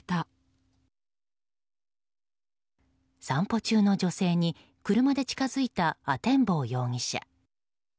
散歩中の女性に車で近づいた阿天坊容疑者。